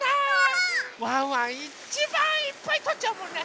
ワンワンいっちばんいっぱいとっちゃうもんね。